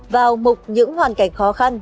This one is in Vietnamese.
vào mục những hoàn cảnh khó khăn